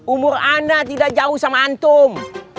umur anda tidak jauh sama antum